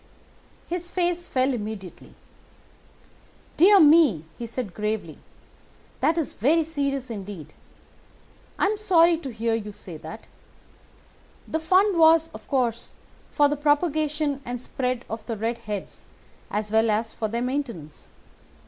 "His face fell immediately. "'Dear me!' he said gravely, 'that is very serious indeed! I am sorry to hear you say that. The fund was, of course, for the propagation and spread of the red heads as well as for their maintenance.